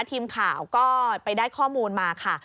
ทีมข่าวก็ไปได้ข้อมูลมาค่ะ